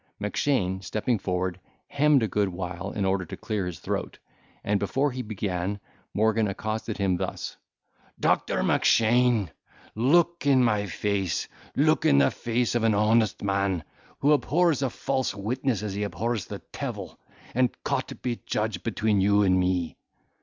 Mackshane, stepping forward, hemmed a good while, in order to clear his throat, and, before he began, Morgan accosted him thus: "Doctor Mackshane, look in my face—look in the face of an honest man, who abhors a false witness as he abhors the tevil, and Cot be judge between you and me."